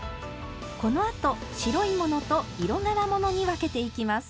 このあと白い物と色柄物に分けていきます。